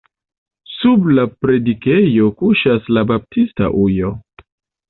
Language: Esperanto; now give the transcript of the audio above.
Sub la predikejo kuŝas la baptista ujo.